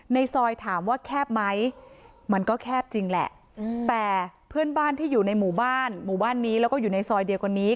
ในซอยถามว่าแคบไหมมันก็แคบจริงแหละแต่เพื่อนบ้านที่อยู่ในหมู่บ้านหมู่บ้านนี้แล้วก็อยู่ในซอยเดียวกว่านี้